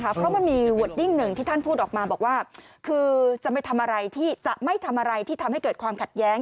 เพราะมันมีวอร์ดดิ้งหนึ่งที่ท่านพูดออกมาบอกว่าจะไม่ทำอะไรที่ทำให้เกิดความขัดแย้ง